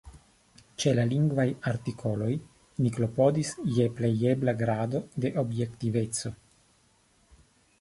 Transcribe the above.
Ĉe la lingvaj artikoloj ni klopodis je plejebla grado de objektiveco.